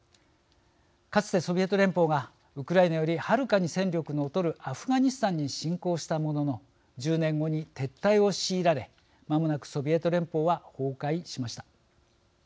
かつて、ソビエト連邦がウクライナよりはるかに戦力の劣るアフガニスタンに侵攻したものの１０年後に撤退を強いられまもなくソビエト連邦は崩壊しました。